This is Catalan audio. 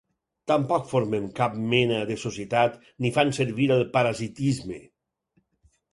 Tampoc formen cap mena de societat ni fan servir el parasitisme.